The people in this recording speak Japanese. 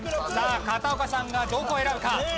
さあ片岡さんがどこを選ぶか？